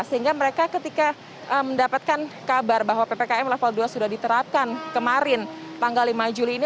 sehingga mereka ketika mendapatkan kabar bahwa ppkm level dua sudah diterapkan kemarin tanggal lima juli ini